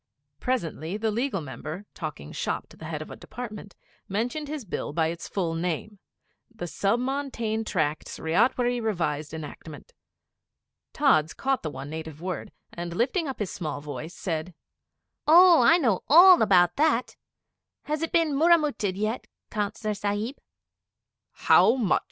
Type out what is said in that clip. Presently, the Legal Member, talking 'shop' to the Head of a Department, mentioned his Bill by its full name 'The Sub Montane Tracts Ryotwary Revised Enactment.' Tods caught the one native word, and lifting up his small voice said 'Oh, I know all about that! Has it been murramutted yet, Councillor Sahib?' 'How much?'